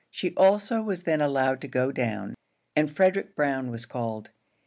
She also was then allowed to go down, and Frederick Brown was called.